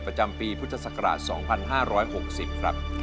ประจำปีพุทธศักราช๒๕๖๐ครับ